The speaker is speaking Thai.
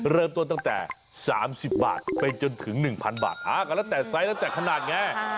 เริ่มต้นตั้งแต่๓๐บาทไปจนถึง๑๐๐บาทก็แล้วแต่ไซส์แล้วแต่ขนาดไง